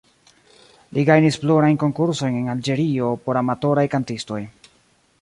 Li gajnis plurajn konkursojn en Alĝerio por amatoraj kantistoj.